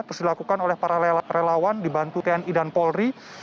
terus dilakukan oleh para relawan dibantu tni dan polri